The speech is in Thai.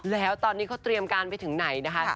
แล้วตอนนี้เขาเตรียมการไปถึงไหนนะคะ